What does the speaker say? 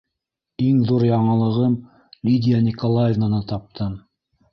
Иң ҙур яңылығым — Лидия Николаевнаны таптым.